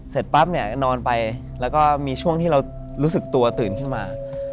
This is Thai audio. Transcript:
เสร็จปั๊บเนี่ยก็นอนไปแล้วก็มีช่วงที่เรารู้สึกตัวตื่นขึ้นมา